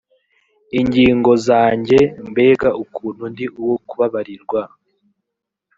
ingingo zanjye mbega ukuntu ndi uwo kubabarirwa